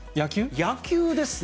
野球ですね。